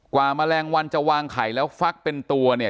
แมลงวันจะวางไข่แล้วฟักเป็นตัวเนี่ย